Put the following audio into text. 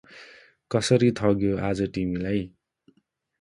कसरी ठग्यो अाज तिमिलाई?